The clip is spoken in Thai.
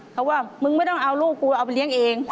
เขาว่ามึงไม่ต้องเอาลูกกูเอาไปเลี้ยงเอง